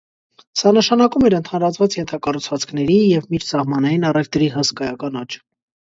Սա նշանակում էր ընդհանրացված ենթակառուցվածքների և միջսահմանային առևտրի հսկայական աճ։